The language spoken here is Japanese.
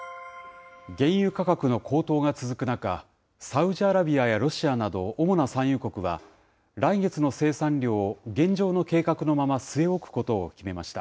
原油価格の高騰が続く中、サウジアラビアやロシアなど主な産油国は、来月の生産量を現状の計画のまま据え置くことを決めました。